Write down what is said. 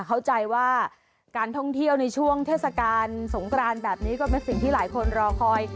เข้าใจว่าการท่องเที่ยวในช่วงเทศกาลสงกรานแบบนี้ก็เป็นสิ่งที่หลายคนรอคอย